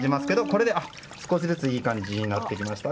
これで少しずついい感じになってきました。